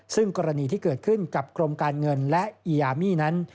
ซึ่งกรณีที่เกิดขึ้นกับกรมการเงินและอีอามี่นั้น